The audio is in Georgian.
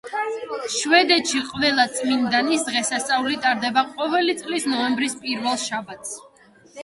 შვედეთში „ყველა წმინდანის“ დღესასწაული ტარდება ყოველი წლის ნოემბრის პირველ შაბათს.